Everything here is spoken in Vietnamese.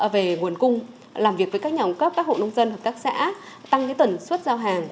về nguồn cung làm việc với các nhóm cấp các hộ nông dân hợp tác xã tăng tần suất giao hàng